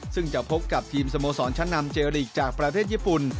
ซึ่งจะพบกับทีมสโมสรชั้นนำเจรีกจากประเทศญี่ปุ่น